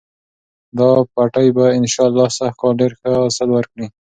دا پټی به انشاالله سږکال ډېر ښه حاصل ورکړي.